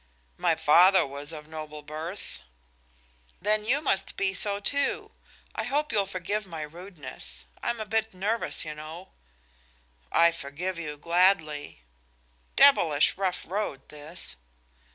"My father was of noble birth." "Then you must be so, too. I hope you'll forgive my rudeness. I'm a bit nervous, you know." "I forgive you gladly." "Devilish rough road, this."